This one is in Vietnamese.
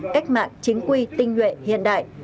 cách mạng chính quy tinh nguyện hiện đại